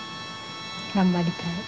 頑張りたい。